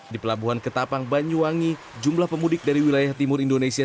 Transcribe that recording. di pelabuhan ketapang banyuwangi jumlah pemudik dari wilayah timur indonesia